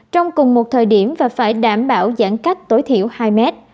trong cùng một thời điểm và phải đảm bảo giãn cách tối thiểu hai mét